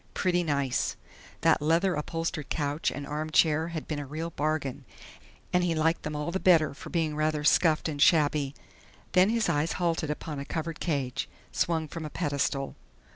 Pretty nice! That leather upholstered couch and armchair had been a real bargain, and he liked them all the better for being rather scuffed and shabby. Then his eyes halted upon a covered cage, swung from a pedestal....